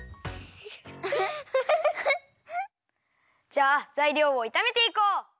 じゃあざいりょうをいためていこう！